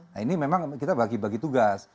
nah ini memang kita bagi bagi tugas